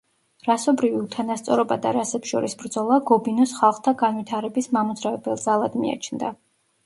რასობრივი უთანასწორობა და რასებს შორის ბრძოლა გობინოს ხალხთა განვითარების მამოძრავებელ ძალად მიაჩნდა.